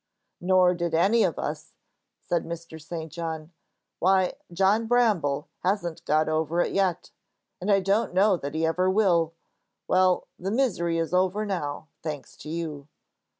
"Nor did any of us," said Mr. St. John. "Why, John Bramble hasn't got over it yet. And I don't know that he ever will. Well, the misery is over now, thanks to you."